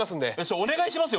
お願いしますよ